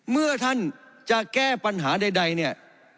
เมื่อท่านจะแก้ปัญหาใดเนี่ย